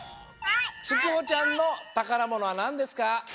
つきほちゃんのたからものはなんですか？